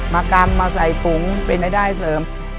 กรรมมาใส่ถุงเป็นรายได้เสริม